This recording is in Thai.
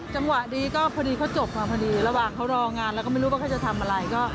จังหวะดีก็พอดีเขาจบค่ะพอดีระหว่างเขารองานเราก็ไม่รู้ว่าเขาจะทำอะไรก็